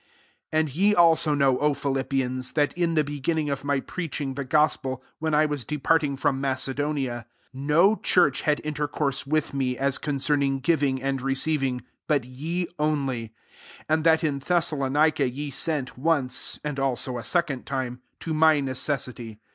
15 And, ye also know, Philippians, that, in the beg^t> ning of my fireaching the gos^ pel, when I was departing from Macedonia, no church had intercourse with me, as concerning giving and receiv ing, but ye only : 16 and that in Thessalonica ye sent, once, and also a second time, to my necessity.